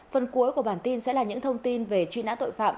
phần cuối của bản tin sẽ là những thông tin về truy nã tội phạm